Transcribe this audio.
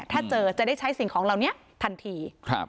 ถ้าเจอจะได้ใช้สิ่งของเหล่านี้ทันที